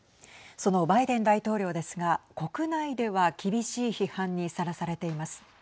そのバイデン大統領ですが国内では厳しい批判にさらされています。